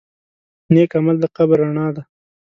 نیک عمل د قبر رڼا ده.